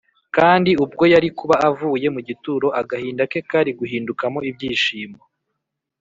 Kandi ubwo yari kuba avuye mu gituro agahinda ke kari guhindukamo ibyishimo